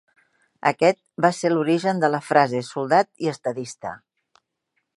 Aquest va ser l'origen de la frase "soldat i estadista".